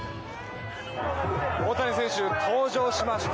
大谷選手、登場しました。